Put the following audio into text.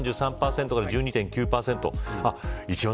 ３３％から１２．９％。